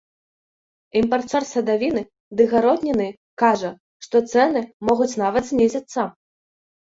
Імпарцёр садавіны ды гародніны кажа, што цэны могуць нават знізіцца!